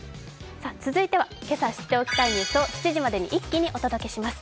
続いてはけさ知っておきたいニュースを７時までに一気にお届けします。